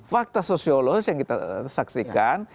fakta sosiolos yang kita saksikan